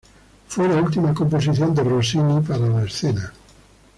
Fue la última composición de Rossini para la escena.